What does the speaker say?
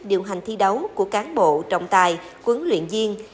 điều hành thi đấu của cán bộ trọng tài quấn luyện viên